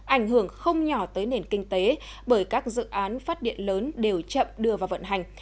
ảnh hưởng không nhỏ tới nền kinh tế bởi các dự án phát điện lớn đều chậm đưa vào vận hành